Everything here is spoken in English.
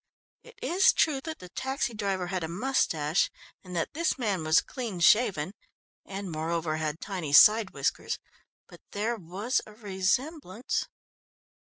It is true that the taxi driver had a moustache and that this man was clean shaven, and moreover, had tiny side whiskers, but there was a resemblance.